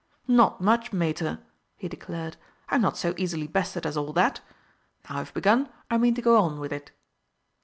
"Not much, Mater!" he declared; "I'm not so easily bested as all that. Now I've begun I mean to go on with it."